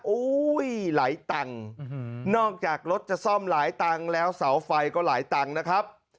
โอ้ยไหลตังค์อืมนอกจากรถจะซ่อมไหลตังค์แล้วเสาไฟก็ไหลตังค์นะครับ